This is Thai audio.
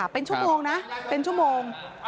เป็นชั่วโมงนะเป็นชั่วโมง